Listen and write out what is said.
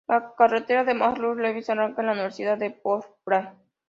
La carrera de Marcus Lewis arranca en la Universidad de Portland.